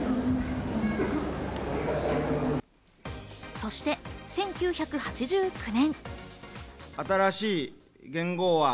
そして１９８９年。